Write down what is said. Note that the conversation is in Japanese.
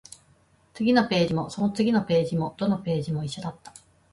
次のページも、その次のページも、どのページも一緒だった